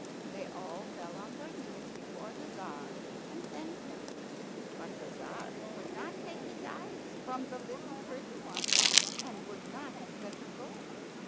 They all fell on their knees before the Tzar and thanked him. But the Tzar could not take his eyes from the little pretty one, and would not let her go.